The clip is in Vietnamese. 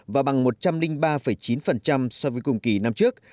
và bằng một trăm linh ba chín so với cùng kỳ năm trước